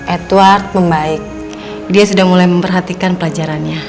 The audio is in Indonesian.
edward membaik dia sudah mulai memperhatikan pelajarannya